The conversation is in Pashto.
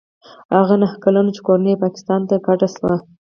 هغه نهه کلن و چې کورنۍ یې پاکستان ته کډه شوه.